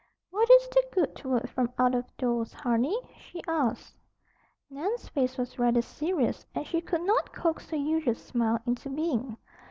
"What is the good word from out of doors, honey?" she asked. Nan's face was rather serious and she could not coax her usual smile into being.